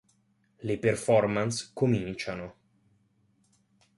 Le performance cominciano.